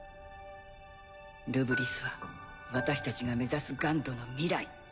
ルブリスは私たちが目指すＧＵＮＤの未来。